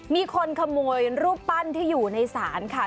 มีคนขโมยรูปปั้นที่อยู่ในศาลค่ะ